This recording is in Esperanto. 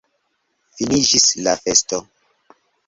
Finiĝis la festo.